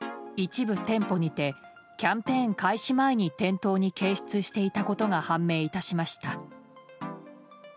一部店舗にてキャンペーン開始前に店頭に掲出していたことが判明致しました。